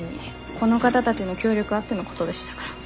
この方たちの協力あってのことでしたから。